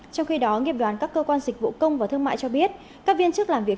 trong khi đó nghiệp đoàn các cơ quan dịch vụ công và thương mại cho biết các viên chức làm việc